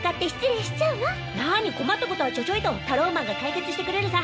なに困ったことはちょちょいとタローマンが解決してくれるさ。